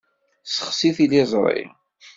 Sexsi tiliẓṛi.